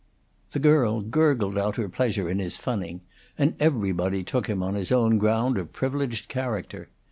The girl gurgled out her pleasure in his funning, and everybody took him on his own ground of privileged character.